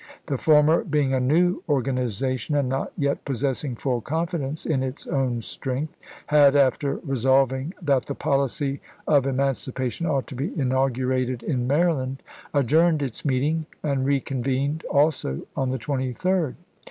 The former being a new or ganization, and not yet possessing full confidence in its own strength, had, after resolving " that the policy of emancipation ought to be inaugurated in Maryland," adjourned its meeting, and reconvened also on the 23d.